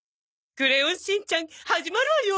『クレヨンしんちゃん』始まるわよ。